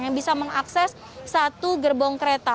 yang bisa mengakses satu gerbong kereta